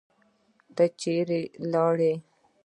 ته چیرې لاړې؟